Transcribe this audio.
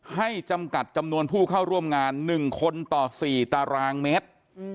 จำกัดจำนวนผู้เข้าร่วมงาน๑คนต่อ๔ตารางเมตร